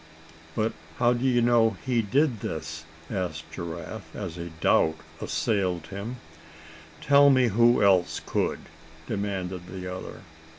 "But how d'ye know he did this?" asked Giraffe, as a new doubt assailed him. "Tell me who else could?" demanded the other.